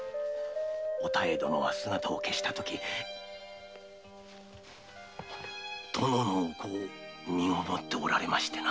お妙殿は姿を消したとき殿のお子を身籠っておられましてな。